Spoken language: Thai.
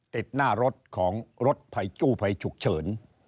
ติดหน้ารถของรถไผ่จู่ไผ่ฉุกเฉิน